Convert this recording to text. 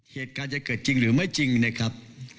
เหตุการณ์จะเกิดจริงหรือไม่จริงนะครับ